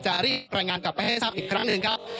รีบรายงานกลับไปให้ทราบอีกครั้งหนึ่งครับ